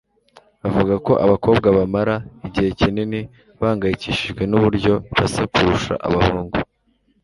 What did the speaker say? bavuga ko abakobwa bamara igihe kinini bahangayikishijwe nuburyo basa kurusha abahungu.